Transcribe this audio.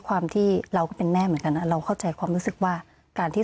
ความที่เราก็เป็นแม่เหมือนกันนะเราเข้าใจความรู้สึกว่าการที่